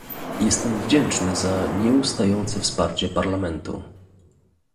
Jestem wdzięczny za nieustające wsparcie Parlamentu